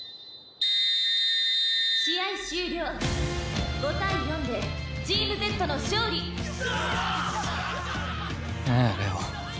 「試合終了」「５対４でチームＺの勝利！」ねえ玲王。